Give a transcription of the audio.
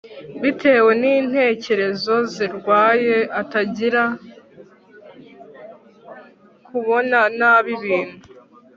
bitewe n'intekerezo zirwaye atangira kubona nabi ibintu